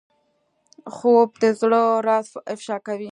خوب د زړه راز افشا کوي